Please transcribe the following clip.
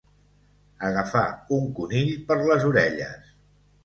Agafar un conill per les orelles.